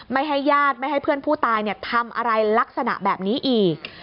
ไม่ให้ญาติไม่ให้เพื่อนผู้ตายทำอะไรลักษณะแบบนี้อีก